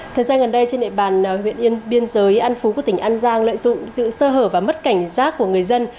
thời gian gần đây trên địa bàn huyện yên biên giới an phú của tỉnh an giang lợi dụng sự sơ hở và mất cảnh giác của người dân